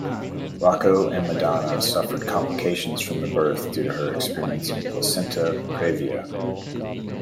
Rocco and Madonna suffered complications from the birth due to her experiencing placenta praevia.